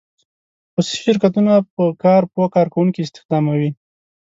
خصوصي شرکتونه په کار پوه کارکوونکي استخداموي.